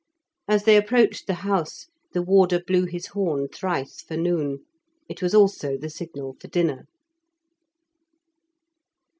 As they approached the house, the warder blew his horn thrice for noon. It was also the signal for dinner.